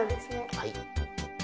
はい。